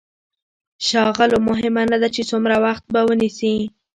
ښاغلو مهمه نه ده چې څومره وخت به ونيسي.